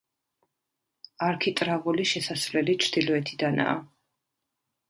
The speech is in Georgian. არქიტრავული შესასვლელი ჩრდილოეთიდანაა.